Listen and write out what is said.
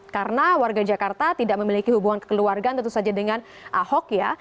karena warga jakarta tidak memiliki hubungan kekeluargaan tentu saja dengan ahok ya